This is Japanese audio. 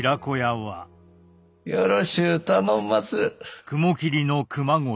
よろしゅう頼んます。